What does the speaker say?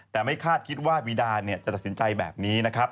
แต่ไม่คาดคิดว่าวีดาจะตัดสินใจแบบนี้นะครับ